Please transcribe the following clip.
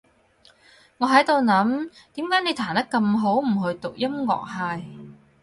我喺度諗，點解你彈得咁好，唔去讀音樂系？